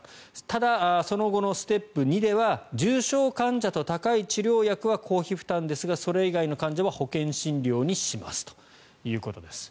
ただ、その後のステップ２では重症患者と高い治療薬は公費負担ですがそれ以外の患者は保険診療にしますということです。